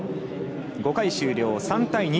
５回終了、３対２。